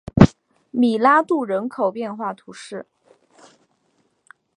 米拉杜人口变化图示